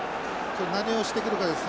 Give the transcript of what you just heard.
何をしてくるかです。